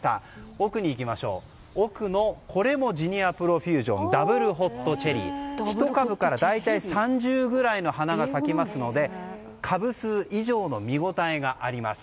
奥に行きますと、これもジニアプロフュージョンダブルホットチェリー１株から、大体３０ぐらいの花が咲きますので株数以上の見応えがあります。